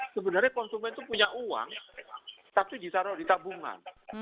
sebenarnya konsumen itu punya uang tapi ditaruh di tabungan